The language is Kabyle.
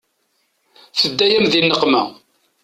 Tedda-yam di nneqma.